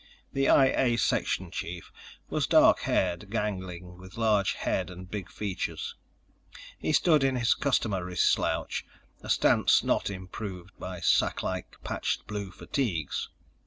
The I A section chief was dark haired, gangling, with large head and big features. He stood in his customary slouch, a stance not improved by sacklike patched blue fatigues.